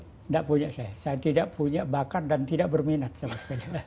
tidak punya saya saya tidak punya bakat dan tidak berminat sama sekali